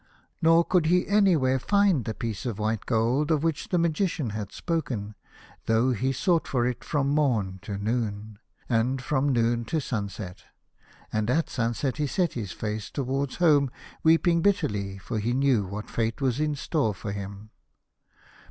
Nor could he anywhere find the piece of white gold of which the Magician had spoken, though he sought for it from morn to noon, and from noon to sunset. And at sunset he set his face towards home, weeping bitterly, for he knew what fate was in store for him.